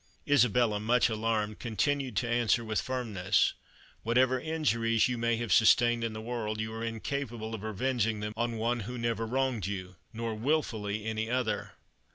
Isabella, much alarmed, continued to answer with firmness, "Whatever injuries you may have sustained in the world, you are incapable of revenging them on one who never wronged you, nor, wilfully, any other."